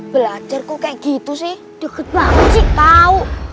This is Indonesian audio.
belajar kok kayak gitu sih deket banget sih tau